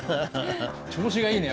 調子がいいね